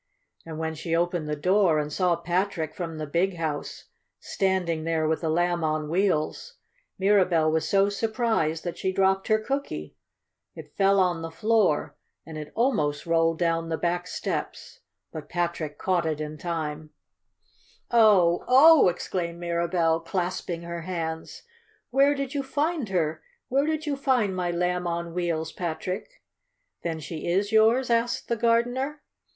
And when she opened the door, and saw Patrick from the "Big House" standing there with the Lamb on Wheels, Mirabell was so surprised that she dropped her cookie. It fell on the floor, and it almost rolled down the back steps, but Patrick caught it in time. [Illustration: "I Hardly Remember," Said Lamb on Wheels.] "Oh! Oh!" exclaimed Mirabell, clasping her hands. "Where did you find her? Where did you find my Lamb on Wheels, Patrick?" "Then she is yours?" asked the gardener.